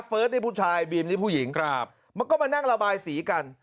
นี่ผู้ชายบีมนี่ผู้หญิงครับมันก็มานั่งระบายสีกัน